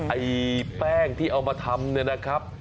ไอ้แป้งที่เอามาทำเนี่ยนะครับ